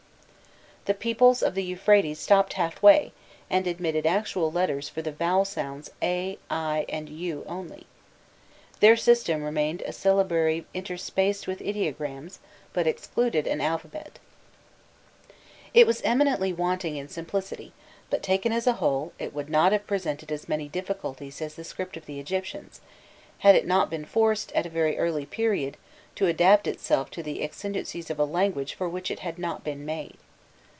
The peoples of the Euphrates stopped halfway, and admitted actual letters for the vowel sounds a, i, and u only. Their system remained a syllabary interspersed with ideograms, but excluded an alphabet. [Illustration: 274.jpg Page image] It was eminently wanting in simplicity, but, taken as a whole, it would not have presented as many difficulties as the script of the Egyptians, had it not been forced, at a very early period, to adapt itself to the exigencies of a language for which it had not been made.